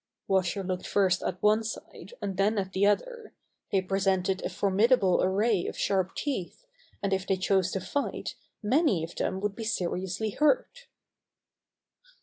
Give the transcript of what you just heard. Washer looked first at one side and then at the other. They presented a formidable ar ray of sharp teeth, and if they chose to fight many of them would be seriously hurt.